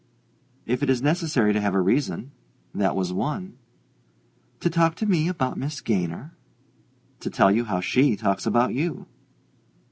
"If it is necessary to have a reason that was one." "To talk to me about Miss Gaynor?" "To tell you how she talks about you."